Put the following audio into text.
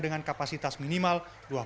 dengan kapasitas minimal